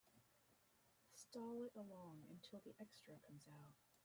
Stall it along until the extra comes out.